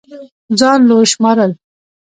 ځان لوے شمارل